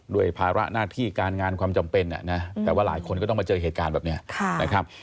ภาระหน้าที่การงานความจำเป็นแต่ว่าหลายคนก็ต้องมาเจอเหตุการณ์แบบนี้นะครับ